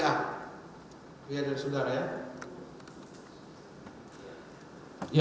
ya dari saudara ya